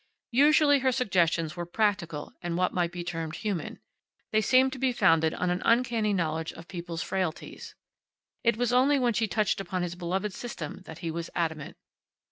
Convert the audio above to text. Usually her suggestions were practical and what might be termed human. They seemed to be founded on an uncanny knowledge of people's frailties. It was only when she touched upon his beloved System that he was adamant.